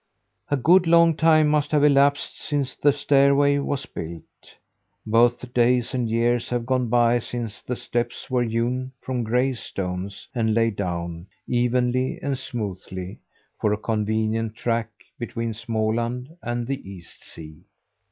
"A good long time must have elapsed since the stairway was built. Both days and years have gone by since the steps were hewn from gray stones and laid down evenly and smoothly for a convenient track between Småland and the East sea.